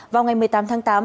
vào ngày một mươi tám tháng tám